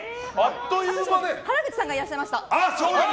原口さんがいらっしゃいました。